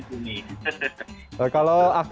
apa yang kalian lakukan